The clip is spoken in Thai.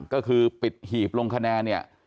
ก็คือปิดหีบลงคะแนนเนี่ย